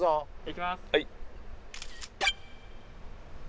いきます。